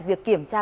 việc kiểm tra